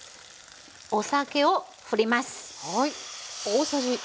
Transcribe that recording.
お酒を振ります。